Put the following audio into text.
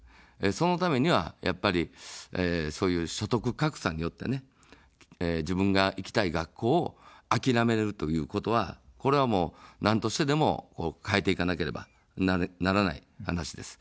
そのためには、やっぱりそういう所得格差によって自分が行きたい学校を諦めるということは、これはもうなんとしてでも、変えていかなければならない話です。